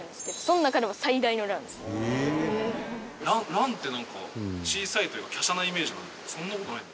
ランってなんか小さいというか華奢なイメージなんだけどそんな事ないの？